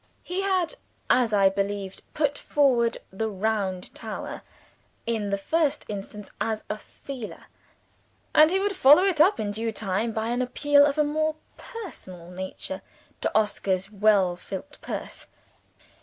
He had, as I believed, put forward "the round tower," in the first instance, as a feeler; and he would follow it up, in due time, by an appeal of a more personal nature to Oscar's well filled purse.